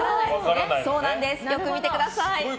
よく見てください。